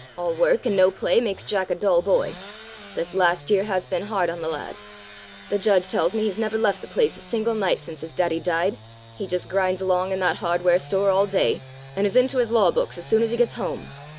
"'All work and no play makes Jack a dull boy.' This last year has been hard on the lad. The Judge tells me he's never left the place a single night since his Daddy died. He just grinds along in that hardware store all day, and is into his law books as soon as he gets home.